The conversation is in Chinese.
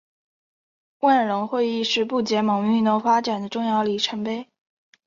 万隆会议是不结盟运动发展的重要里程碑。